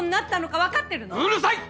うるさい！